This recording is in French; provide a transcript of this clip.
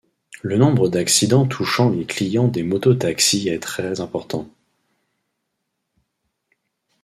Le nombre d'accidents touchant les clients des motos-taxis est très important.